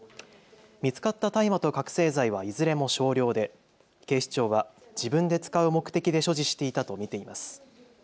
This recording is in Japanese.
見つかった大麻と覚醒剤はいずれも少量で警視庁は自分で使う目的で所持していたと見ています。